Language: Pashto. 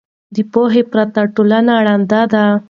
د پوهې پرته ټولنه ړنده ده.